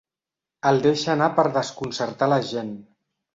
El deixa anar per desconcertar la gent.